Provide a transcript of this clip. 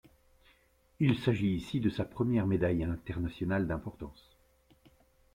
Il s'agit ici de sa première médaille internationale d'importance.